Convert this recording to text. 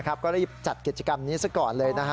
ก็เลยจัดกิจกรรมนี้ซักก่อนเลยนะฮะ